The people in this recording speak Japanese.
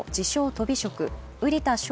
・とび職瓜田翔